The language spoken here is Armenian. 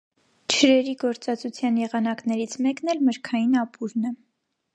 Չրերի գործածության եղանակներից մեկն էլ մրգային ապուրն է։